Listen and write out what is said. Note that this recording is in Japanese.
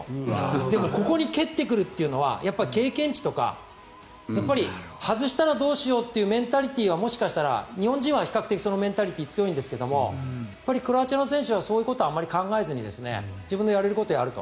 でもここに蹴ってくるっていうのはやっぱり経験値とか外したらどうしようというメンタリティーはもしかしたら日本人は比較的そのメンタリティーは強いんですがクロアチアの選手はそういうことはあまり考えずに自分のやれることをやると。